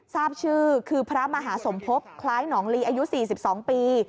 ทราบชื่อคือพระมหาสมภพคล้ายหนองลีอายุ๔๒ปี